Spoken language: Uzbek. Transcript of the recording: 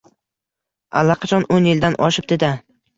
Allaqachon o‘n yildan oshibdida